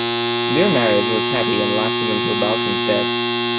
Their marriage was happy and lasted until Balcon's death.